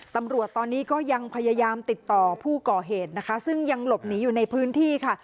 ตำรวจตอนนี้ก็ยังพยายามติดต่อผู้ก่อเหตุนะคะซึ่งยังหลบหนีอยู่ในพื้นที่ค่ะ